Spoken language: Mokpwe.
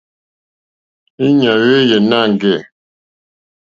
Íɲá hwéyè nâŋɡɛ̂.